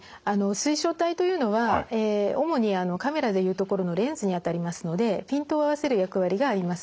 水晶体というのは主にカメラで言うところのレンズにあたりますのでピントを合わせる役割があります。